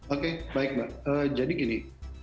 oke baik jadi gini